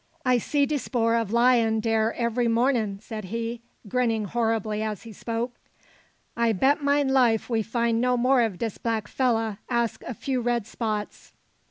"I see de spoor of lion dare every mornin'," said he, grinning horribly as he spoke. "I'll bet mine life we find no more of dis black fella ash a few red spots."